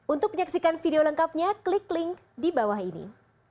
untuk menyaksikan video lengkapnya klik link di bawah ini